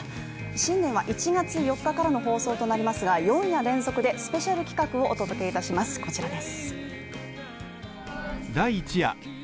新聞は１月４日からの放送となりますが新春スペシャル企画をお届けいたします